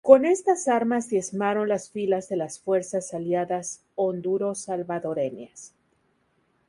Con estas armas diezmaron las filas de las fuerzas aliadas honduro-salvadoreñas.